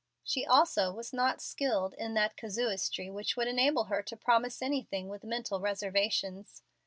She also was not skilled in that casuistry which would enable her to promise anything with mental reservations.